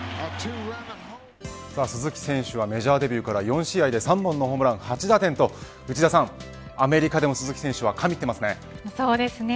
鈴木選手はメジャーデビューから４試合で３本のホームラン、８打点とアメリカでも鈴木選手は神っていますね。